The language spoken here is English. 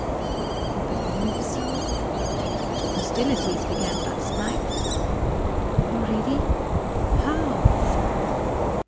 "You believe so?" "Hostilities began last night." "Already? How?"